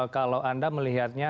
kalau anda melihatnya